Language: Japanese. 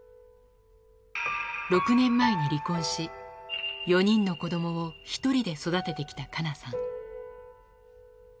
６年前に離婚し、４人の子どもを１人で育ててきたカナさん。